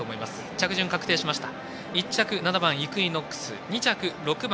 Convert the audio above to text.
着順が確定しました。